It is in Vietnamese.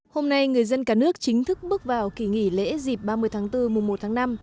hôm nay người dân cả nước chính thức bước vào kỳ nghỉ lễ dịp ba mươi tháng bốn mùa một tháng năm